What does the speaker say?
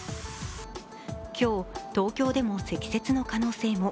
今日、東京でも積雪の可能性も。